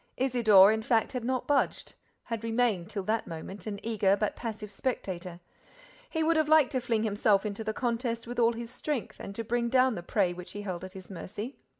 Isidore, in fact, had not budged, had remained, till that moment, an eager, but passive spectator. He would have liked to fling himself into the contest with all his strength and to bring down the prey which he held at his mercy.